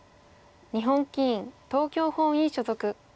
日本棋院東京本院所属。